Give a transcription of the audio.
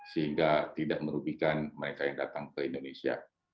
sehingga tidak merugikan mereka yang datang ke indonesia